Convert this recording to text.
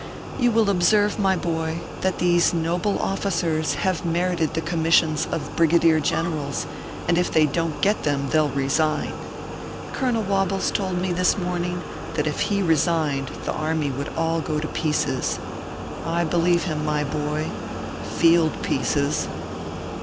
You will observe, my boy, that these noble officers have merited the commissions of brigadier generals, and if they don t get them they ll resign. Colonel Wobbles told me this morning, that if he resigned the army would all go to pieces. I believe him, my boy ! field pieces.